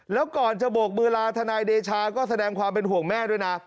แล้วก่อนจะโบกมือลาทนายเดชาก็แสดงความเป็นห่วงแม่ด้วยนะ